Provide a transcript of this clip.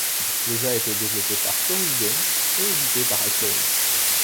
Le jeu a été développé par Torus Games et édité par Acclaim.